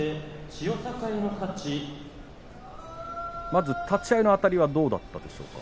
まず立ち合いのあたりはどうだったですか。